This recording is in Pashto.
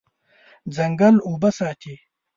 ځنګل اوبه ساتي.